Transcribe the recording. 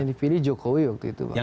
yang dipilih jokowi waktu itu bang